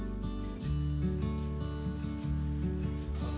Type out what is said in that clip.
ketika overpopulasi itu tidak bisa ditekan